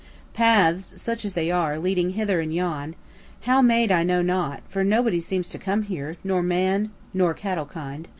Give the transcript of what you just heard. Paths (such as they are) leading hither and yon (how made I know not, for nobody seems to come here, nor man nor cattle kind.)